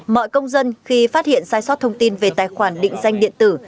mọi công dân khi phát hiện sai sót thông tin về tài khoản định danh điện tử